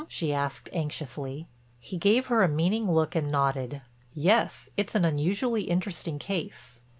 she asked anxiously. He gave her a meaning look and nodded; "Yes. It's an unusually interesting case."